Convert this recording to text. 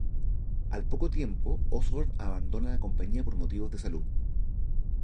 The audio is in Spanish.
Al poco tiempo Osborne abandona la compañía por motivos de salud.